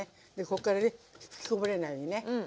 こっからね吹きこぼれないようにね。